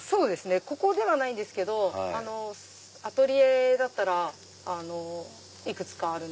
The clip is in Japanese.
ここではないんですけどアトリエだったらいくつかある。